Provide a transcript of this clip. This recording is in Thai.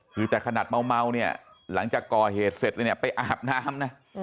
คือแต่ขนาดเมาเนี่ยหลังจากก่อเหตุเสร็จเลยเนี่ยไปอาบน้ำนะ